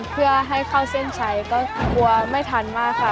เพื่อให้เข้าเส้นชัยก็กลัวไม่ทันมากค่ะ